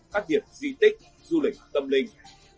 phát biệt duy tích du lịch tâm linh